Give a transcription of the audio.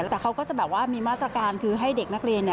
แต่เขาก็จะแบบว่ามีมาตรการคือให้เด็กนักเรียน